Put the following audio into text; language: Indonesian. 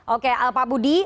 oke pak budi